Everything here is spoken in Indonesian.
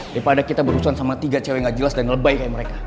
daripada kita berurusan sama tiga cewek gak jelas dan ngelebai kayak mereka